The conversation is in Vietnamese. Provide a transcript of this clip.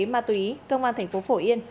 ma túy cơ quan thành phố phổ yên